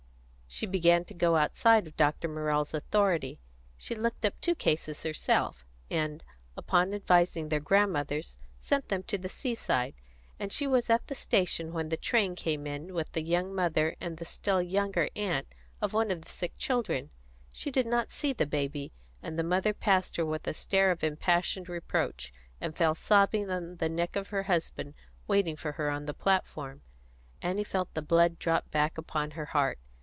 She began to go outside of Dr. Morrell's authority; she looked up two cases herself, and, upon advising with their grandmothers, sent them to the seaside, and she was at the station when the train came in with the young mother and the still younger aunt of one of the sick children. She did not see the baby, and the mother passed her with a stare of impassioned reproach, and fell sobbing on the neck of her husband, waiting for her on the platform. Annie felt the blood drop back upon her heart.